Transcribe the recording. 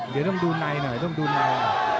เดี๋ยวต้องดูในหน่อยต้องดูใน